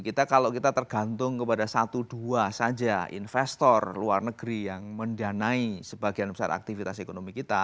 kita kalau kita tergantung kepada satu dua saja investor luar negeri yang mendanai sebagian besar aktivitas ekonomi kita